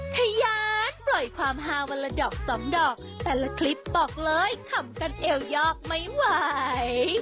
ทะยานปล่อยความฮาวันละดอกสองดอกแต่ละคลิปบอกเลยขำกันเอวยอกไม่ไหว